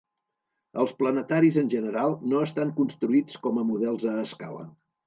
Els planetaris en general no estan construïts com a models a escala.